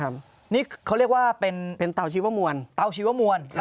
นี่เขาเรียกว่าเป็นเตาชีวมวลเตาชีวมวล